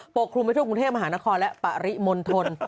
โปรดคลุมให้ทั่วกรุงเทพมหานครและปริมนต์ทน